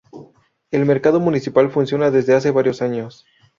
El mercado municipal funciona desde hace varios años.